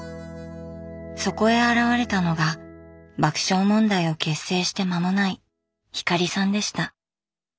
そこへ現れたのが爆笑問題を結成して間もない光さんでした。